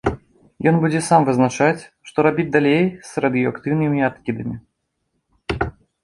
Ён будзе сам вызначаць, што рабіць далей з радыеактыўнымі адкідамі.